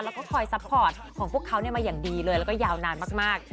แล้วก็คอยซัพพอร์ตของพวกเขามาอย่างดีเลยแล้วก็ยาวนานมาก